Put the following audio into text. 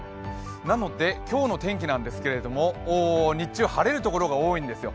なので今日の天気なんですけれども、日中、晴れるところが多いんですよ。